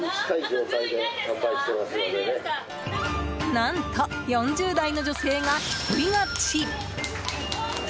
何と、４０代の女性が一人勝ち！